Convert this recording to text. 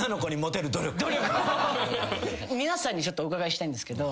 皆さんにお伺いしたいんですけど。